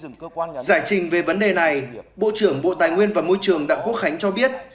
giải trình về vấn đề này bộ trưởng bộ tài nguyên và môi trường đặng quốc khánh cho biết